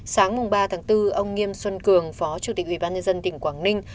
sáng ba bốn ông nghiêm xuân cường phó chủ tịch ubnd tỉnh quảng ninh